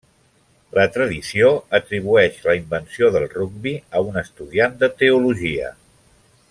La tradició atribueix la invenció del rugbi a un estudiant de teologia.